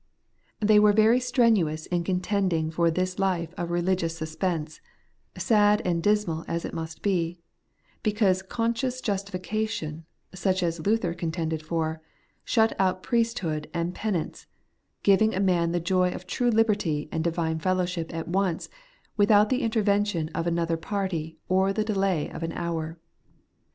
They were very strenuous in contending for this life of religious suspense^ sad and dismal as it must be ; because conscious justification, such as Luther contended for, shut out priesthood and penance ; giving a man the joy of true liberty and divine fellowship at once, without the intervention of another party or the delay of an hour.